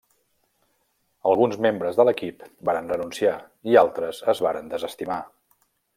Alguns membres de l'equip varen renunciar i altres es varen desestimar.